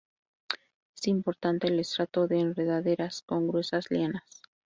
Es importante el estrato de enredaderas, con gruesas lianas.